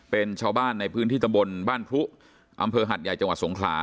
เป็นชาวบ้านในพื้นที่ตำบลบ้านพรุอำเภอหัดใหญ่จังหวัดสงขลา